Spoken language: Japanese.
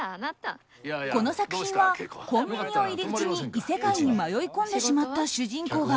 この作品はコンビニを入り口に異世界に迷い込んでしまった主人公が